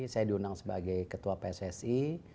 saya diundang sebagai ketua pssi